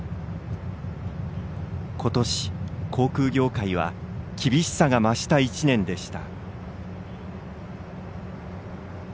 ことし、航空業界は厳しさが増した一年でした。